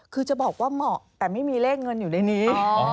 คือจะบอกว่าเหมาะแต่ไม่มีเลขเงินอยู่ในนี้